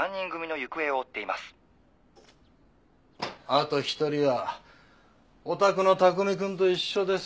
あと１人はお宅の卓海くんと一緒です。